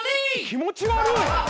気持ち悪い！